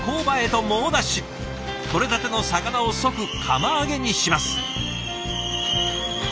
とれたての魚を即釜揚げにします。